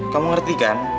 kamu ngerti kan